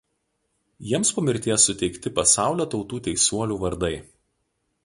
Jiems po mirties suteikti Pasaulio tautų teisuolių vardai.